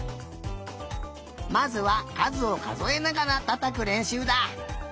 まずはかずをかぞえながらたたくれんしゅうだ。